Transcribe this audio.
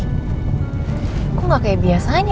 itu kok ngak kek biasa ni ya